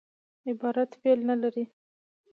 عبارت فعل نه لري.